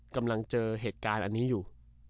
กำลังเจอเหตุการณ์อันนี้อยู่